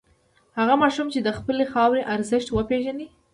هغه ماشوم چې د خپلې خاورې ارزښت وپېژني.